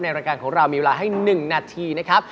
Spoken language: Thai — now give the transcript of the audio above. รายการของเรามีเวลาให้๑นาทีนะครับ